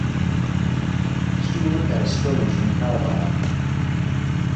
Stuart at a skirmish in Carlisle.